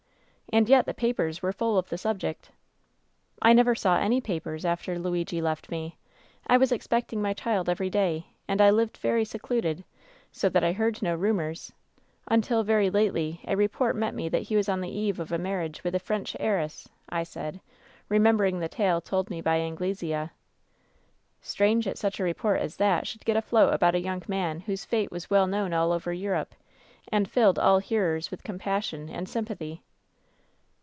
" 'And yet the papers were full of the subject.' " 'I never saw any papers after Luigi left me. I was expecting my child every day, and I lived very secluded, so that I heard no rumors — ^until very lately I a report met me that he was on the eve of marriage with a French heiress,' I said, remembering the tale told me by Anglesea. " 'Strange that such a report as that should get afloat about a young man whose fate was well known all over Europe, and filled all hearers with compassion and sym pathy.'